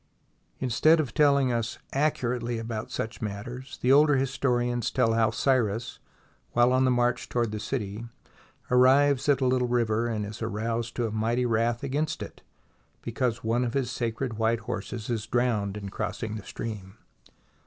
Instead of telling us accurately about such matters, the older historians tell how Cyrus, while on the march toward the city, arrives at a little river, and is aroused to a mighty wrath against it, because one of his sacred white horses is drowned in crossing the stream.